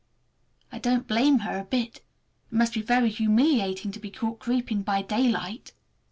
I don't blame her a bit. It must be very humiliating to be caught creeping by daylight!